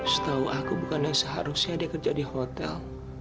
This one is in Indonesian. setau aku bukan yang seharusnya dia kerja di hotel